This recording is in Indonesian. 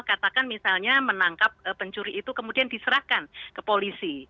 katakan misalnya menangkap pencuri itu kemudian diserahkan ke polisi